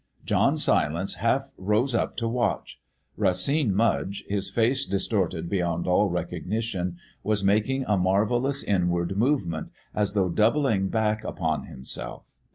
John Silence half rose up to watch. Racine Mudge, his face distorted beyond all recognition, was making a marvellous inward movement, as though doubling back upon himself.